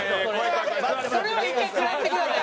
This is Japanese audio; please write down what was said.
それは一回食らってください。